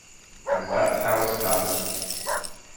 And that's how it started.